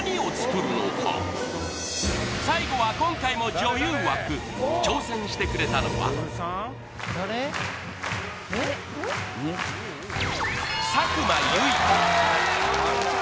最後は今回も女優枠挑戦してくれたのはやってくる！